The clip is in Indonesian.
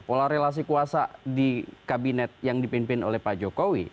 pola relasi kuasa di kabinet yang dipimpin oleh pak jokowi